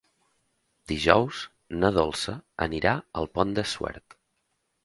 Dijous na Dolça anirà al Pont de Suert.